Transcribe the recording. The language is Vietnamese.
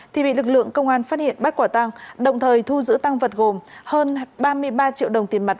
thì bị lực lượng công an phát hiện bắt quả tăng đồng thời thu giữ tăng vật gồm hơn ba mươi ba triệu đồng tiền mặt